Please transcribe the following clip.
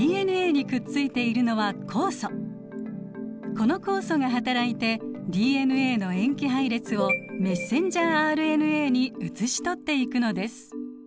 この酵素が働いてＤＮＡの塩基配列をメッセンジャーＲＮＡに写し取っていくのです。